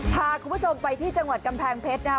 พาคุณผู้ชมไปที่จังหวัดกำแพงเพชรนะครับ